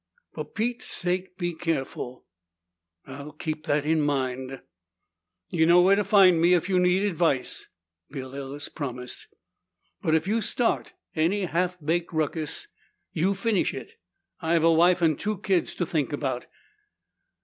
"For pete's sake, be careful!" "I'll keep that in mind." "You know where to find me if you need advice," Bill Ellis promised. "But if you start any half baked ruckus, you finish it. I've a wife and two kids to think about.